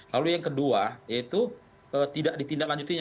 lalu yang kedua yaitu tidak ditindaklanjutinya